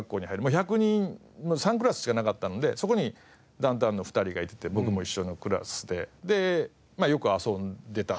１００人３クラスしかなかったのでそこにダウンタウンの２人がいて僕も一緒のクラスででよく遊んでたんですよ。